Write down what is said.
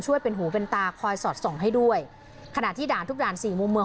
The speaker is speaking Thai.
หูเป็นตาคอยสอดส่องให้ด้วยขณะที่ด่านทุกด่านสี่มุมเมือง